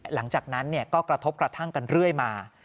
หลังจากนั้นก็กระทบกระทั่งกันเรื่อยมา